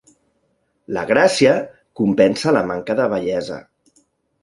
La gràcia compensa la manca de bellesa.